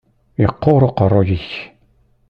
Yeqquṛ uqeṛṛu-yik.